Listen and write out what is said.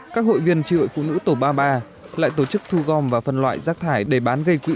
các hội viên triệu phụ nữ tổ ba mươi ba lại tổ chức thu gom và phân loại rác thải để bán gây quỹ